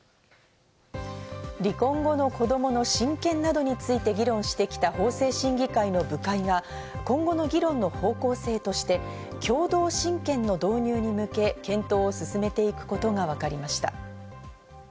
離婚後の子供の親権などについて議論してきた法制審議会の部会が今後の議論の方向性として、共同親権の導入に向け、検討を進めていくことがわかりました。